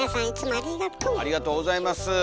ありがとうございます。